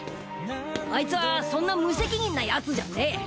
アイツはそんな無責任なヤツじゃねえ。